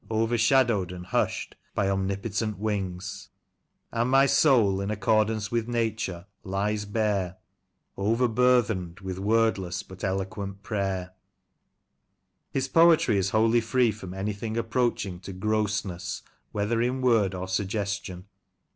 Overshadowed and hushed by Omnipotent wings ; And my soul, in accordance with Nature, lies bare, Overburthened with wordless but eloquent prayer I His poetry is wholly free from anything approaching to grossness, whether in word or suggestion.